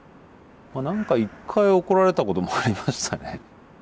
まあ何か一回怒られたこともありましたね。